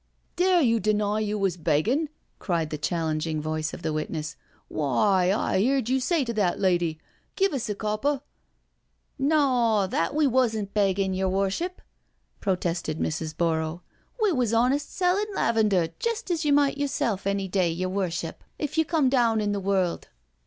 '*" Dare you deny you was beggin'?" cried the chal lenging voice of the witness. " Why, I heerd you say to that lady, ' Give us a copper.' "" Naw, that we wasn't beggin', yer Worship," pro tested Mrs. Borrow. " We was honest, sellin' lavender, jest as you might yerself any day, yer Worship, if you come down in the world."